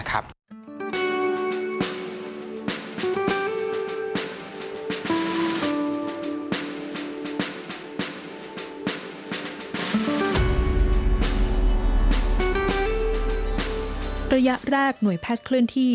ระยะแรกหน่วยแพทย์เคลื่อนที่